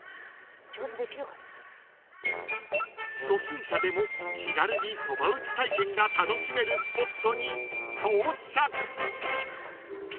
［初心者でも気軽にそば打ち体験が楽しめるスポットに到着］